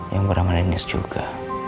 yang beramah denis juga